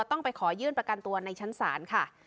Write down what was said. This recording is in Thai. ต้องไปขอยื่นประกันตัวในชั้นศาลค่ะ